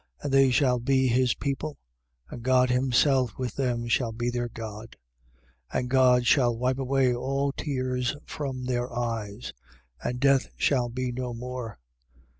And they shall be his people: and God himself with them shall be their God. 21:4. And God shall wipe away all tears from their eyes: and death shall be no more.